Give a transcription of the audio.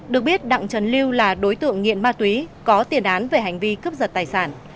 được biết đặng trần lưu là đối tượng nghiện ma túy có tiền án về hành vi cướp giật tài sản